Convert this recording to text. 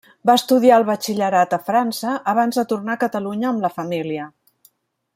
Va estudiar el batxillerat a França, abans de tornar a Catalunya amb la família.